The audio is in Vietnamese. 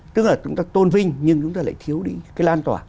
tức là chúng ta tôn vinh nhưng chúng ta lại thiếu đi cái lan tỏa